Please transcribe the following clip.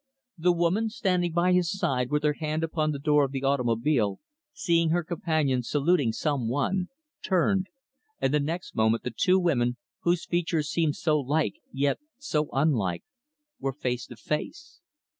The woman standing by his side with her hand upon the door of the automobile, seeing her companion saluting some one, turned and the next moment, the two women, whose features seemed so like yet so unlike were face to face.